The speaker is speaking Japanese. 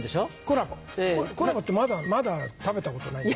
コラボコラボってまだ食べたことない。